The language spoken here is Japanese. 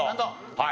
はい。